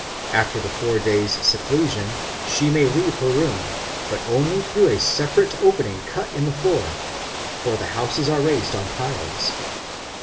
After the four days' seclusion she may leave her room, but only through a separate opening cut in the floor, for the houses are raised on piles.